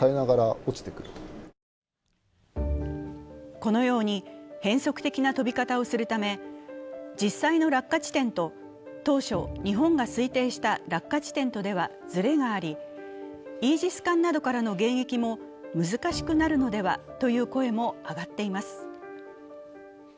このように変則的な飛び方をするため、実際の落下地点と当初、日本が推定した落下地点とではずれがありイージス艦などからの迎撃も難しくなるのではという声も上がっています。